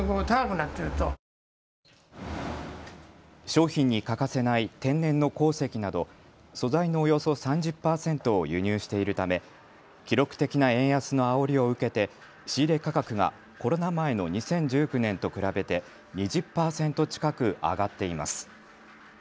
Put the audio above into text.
商品に欠かせない天然の鉱石など素材のおよそ３０％を輸入しているため、記録的な円安のあおりを受けて仕入れ価格がコロナ前の２０１９年と比べて２０％近く上がっています。